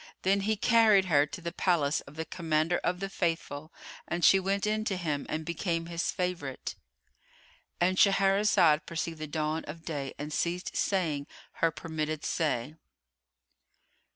Then he carried her to the palace of the Commander of the Faithful, and she went in to him and became his favourite.——And Shahrazad perceived the dawn of day and ceased saying her permitted say.